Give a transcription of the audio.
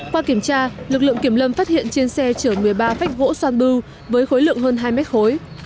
qua kiểm tra lực lượng kiểm lâm phát hiện trên xe chở một mươi ba phách gỗ san bưu với khối lượng hơn hai mét khối